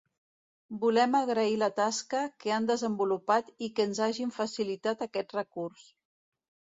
Volem agrair la tasca que han desenvolupat i que ens hagin facilitat aquest recurs.